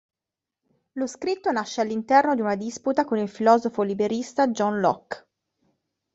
Lo scritto nasce all'interno di una disputa con il filosofo liberista John Locke.